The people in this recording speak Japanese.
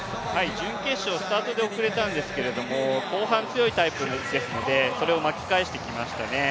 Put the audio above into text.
準決勝スタートで遅れたんですけれども後半、強いタイプですのでそれを巻き返してきましたね。